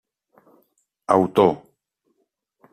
Autor: